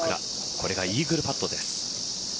これがイーグルパットです。